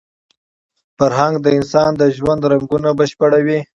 فرهنګ د انسان د ژوند رنګونه بشپړوي.